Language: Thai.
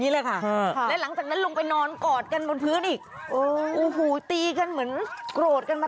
เลยค่ะและหลังจากนั้นลงไปนอนกอดกันบนพื้นอีกโอ้โหตีกันเหมือนโกรธกันมา